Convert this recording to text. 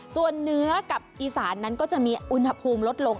ส่วนเนื้อกับอีสานนั้นก็จะมีอุณหภูมิลดลง